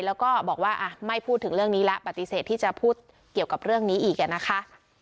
แล้วก็บอกว่าไม่พูดถึงเรื่องนี้แล้วปฏิเสธที่จะพูดเกี่ยวกับเรื่องนี้อีกนะคะ